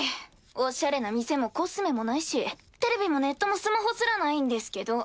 オシャレな店もコスメもないしテレビもネットもスマホすらないんですけど。